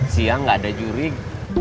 siang gak ada jurig